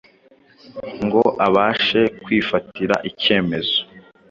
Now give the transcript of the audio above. ngo abashe kwifatira icyemezo,